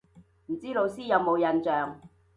唔知老師有冇印象